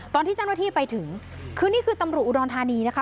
ตอนที่เจ้าหน้าที่ไปถึงคือนี่คือตำรวจอุดรธานีนะคะ